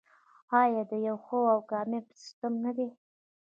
آیا د یو ښه او کامیاب سیستم نه دی؟